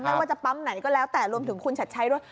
ไม่ว่าจะปั๊มไหนก็แล้วแต่รวมถึงคุณชัดชัยด้วย